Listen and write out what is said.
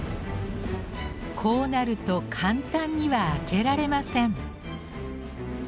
こうなると簡単には開けられません。